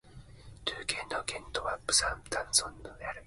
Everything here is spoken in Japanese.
ドゥー県の県都はブザンソンである